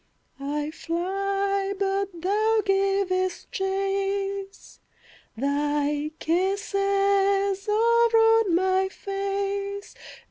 I fly, but thou givest chase— Thy kisses are on my face!